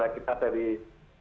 terlengkap oleh akses jalan itu